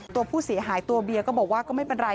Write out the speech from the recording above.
ตัวผู้เสียหายตัวเบียร์ก็บอกว่าก็ไม่เป็นไร